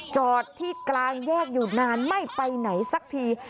จอดที่กลางแยกอยู่นานไม่ไปไหนสักที